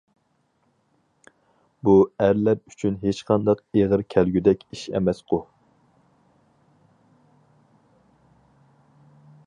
بۇ ئەرلەر ئۈچۈن ھېچقانداق ئېغىر كەلگۈدەك ئىش ئەمەسقۇ!